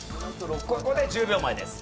ここで１０秒前です。